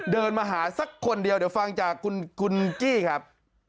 เดินมาหาสักคนเดียวเดี๋ยวฟังจากคุณกี้ครับ